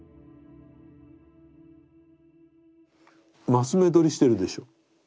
升目取りしてるでしょ